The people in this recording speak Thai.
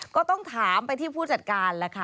ก็ต้องถามไปที่ผู้จัดการแล้วค่ะ